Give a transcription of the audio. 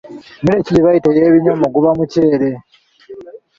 Mmere ki gye bayita ey'ebinyomo guba muceere